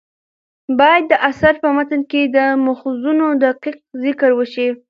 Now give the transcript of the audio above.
باید د اثر په متن کې د ماخذونو دقیق ذکر وشي.